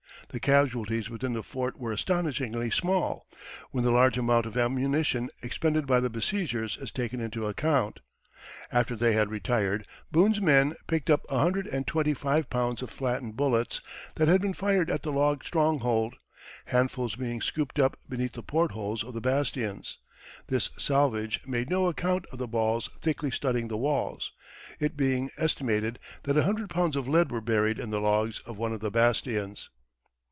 The casualties within the fort were astonishingly small, when the large amount of ammunition expended by the besiegers is taken into account. After they had retired, Boone's men picked up a hundred and twenty five pounds of flattened bullets that had been fired at the log stronghold, handfuls being scooped up beneath the port holes of the bastions; this salvage made no account of the balls thickly studding the walls, it being estimated that a hundred pounds of lead were buried in the logs of one of the bastions.